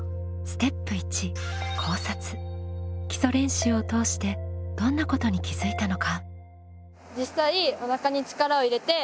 基礎練習を通してどんなことに気づいたのか？